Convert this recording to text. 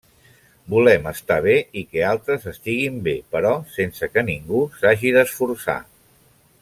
Volem estar bé i que altres estiguin bé però sense que ningú s'hagi d'esforçar.